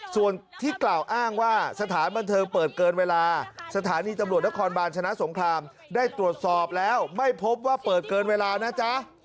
ส่วนที่กล่าวอ้างว่าสถานบันเทิงเปิดเกินเวลาสถานีตำรวจนครบาลชนะสงครามได้ตรวจสอบแล้วไม่พบว่าเปิดเกินเวลานะจ๊ะ